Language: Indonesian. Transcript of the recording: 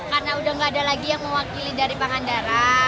karena sudah tidak ada lagi yang mewakili dari pangandaran